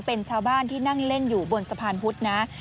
เป็นชาวบ้านที่นั่งเล่นอยู่บนสะพานพุธนะ